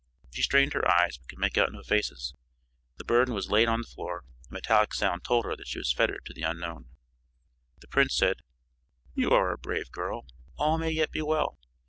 She strained her eyes, but could make out no faces. The burden was laid on the floor; a metallic sound told her that she was fettered to the unknown. The prince said: "You are a brave girl. All may yet be well.